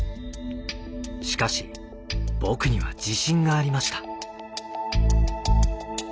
しかし僕には自信がありました。